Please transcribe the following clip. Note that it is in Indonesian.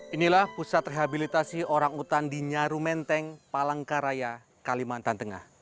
inilah pusat rehabilitasi orang utan di nyaru menteng palangkaraya kalimantan tengah